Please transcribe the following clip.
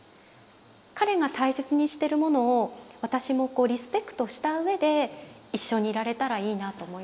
彼が大切にしてるものを私もリスペクトしたうえで一緒にいられたらいいなと思います。